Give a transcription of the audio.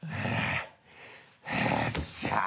よっしゃ。